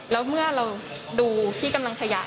แล้วเมื่อเราดูที่กำลังขยะ